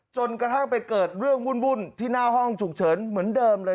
จนกระทั่งไปเกิดเรื่องวุ่นที่หน้าห้องฉุกเฉินเหมือนเดิมเลย